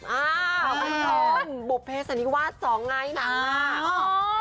อ่าบุ๊บเพชรอันนี้วาดสองไงน้ำน้ำ